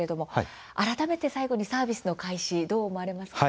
改めて最後にサービスの開始どう思われますか？